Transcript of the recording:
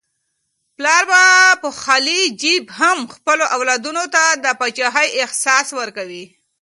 پلار په خالي جیب هم خپلو اولادونو ته د پاچاهۍ احساس ورکوي.